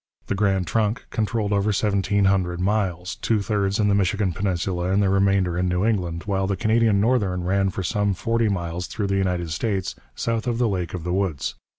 The Grand Trunk controlled over seventeen hundred miles, two thirds in the Michigan peninsula and the remainder in New England, while the Canadian Northern ran for some forty miles through the United States, south of the Lake of the Woods.